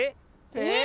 えっ？